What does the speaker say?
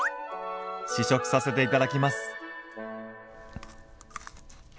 試食させていただきます。